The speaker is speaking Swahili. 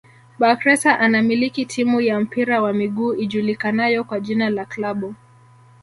Bakhresa anamiliki timu ya mpira wa miguu ijulikanayo kwa jina la klabu